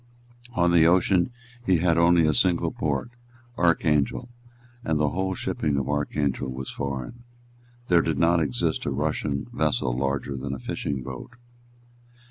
On the ocean he had only a single port, Archangel; and the whole shipping of Archangel was foreign. There did not exist a Russian vessel larger than a fishing boat.